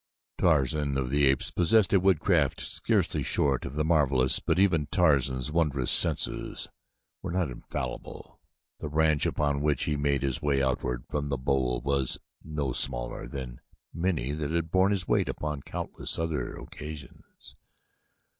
Tarzan of the Apes possessed a woodcraft scarcely short of the marvelous but even Tarzan's wondrous senses were not infallible. The branch upon which he made his way outward from the bole was no smaller than many that had borne his weight upon countless other occasions.